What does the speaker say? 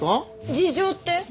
事情って？